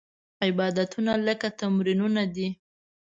عبادتونه لکه تمرینونه دي.